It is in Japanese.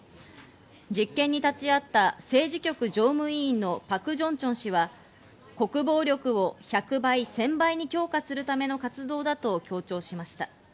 実験に立ち会った政治局常務委員のパク・ジョンチョン氏は国防力を１００倍、１０００倍に強化するための活動だと強調しました。